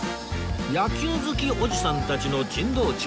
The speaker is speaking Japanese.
野球好きおじさんたちの珍道中